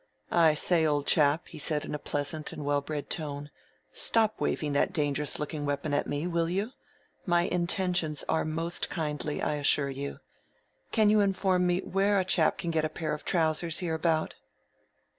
"I say, old chap," he said in a pleasant and well bred tone, "stop waving that dangerous looking weapon at me, will you? My intentions are most kindly, I assure you. Can you inform me where a chap can get a pair of trousers hereabout?"